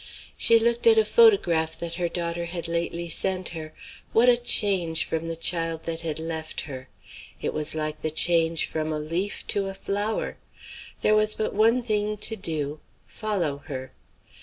She looked at a photograph that her daughter had lately sent her. What a change from the child that had left her! It was like the change from a leaf to a flower. There was but one thing to do: follow her.